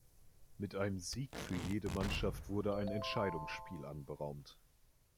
Mit einem Sieg für jede Mannschaft wurde ein Entscheidungsspiel anberaumt.